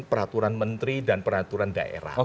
peraturan menteri dan peraturan daerah